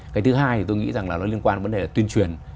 cái thứ hai thì tôi nghĩ là nó liên quan đến vấn đề tuyên truyền